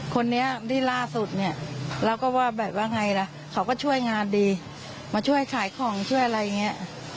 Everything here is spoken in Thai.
คนนี้ที่ล่าสุดเนี่ยเราก็ว่าแบบว่าไงล่ะเขาก็ช่วยงานดีมาช่วยขายของช่วยอะไรอย่างนี้